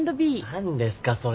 何ですかそれ。